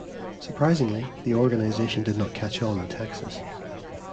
Surprisingly, the organization did not catch on in Texas.